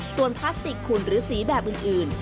ส่วนพลาสติกขุนหรือสีแบบอื่น